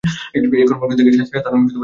এই কর্মকাণ্ড দেখে সাধারণ জনগনও উৎসাহিত হবে।